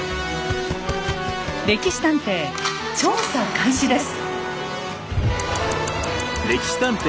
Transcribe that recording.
「歴史探偵」調査開始です。